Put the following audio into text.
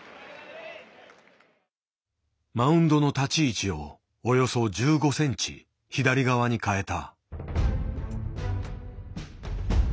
マウンドの立ち位置をおよそ１５センチ左側に変えた。